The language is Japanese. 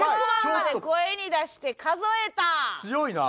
強いな！